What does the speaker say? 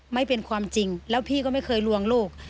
ไม่เป็นความจริงแล้วพี่ก็ไม่เคยลวงลูก